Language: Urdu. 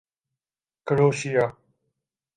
کروشیا